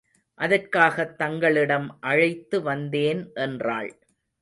அதற்காகத் தங்களிடம் அழைத்து வந்தேன் என்றாள்.